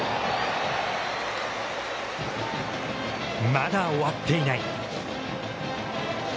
まだ、終わっていない。